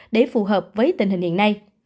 để phù hợp với tình hình hiện nay